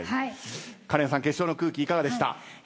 カレンさん決勝の空気いかがでした？